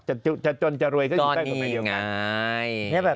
จะจนจะรวยก็อยู่ใต้กฎหมายเดียวกัน